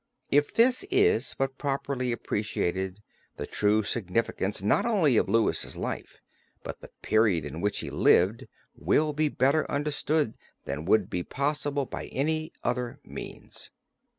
If this is but properly appreciated the true significance not only of Louis' life but the period in which he lived will be better understood than would be possible by any other means.